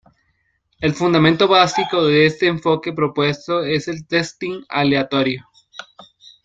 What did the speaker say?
El fundamento básico de este enfoque propuesto es el testing aleatorio.